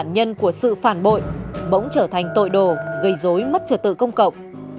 nạn nhân của sự phản bội bỗng trở thành tội đồ gây dối mất trật tự công cậu